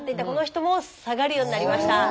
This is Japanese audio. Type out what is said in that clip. この人も下がるようになりました。